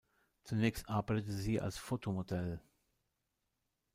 Zunächst arbeitete sie als Fotomodell.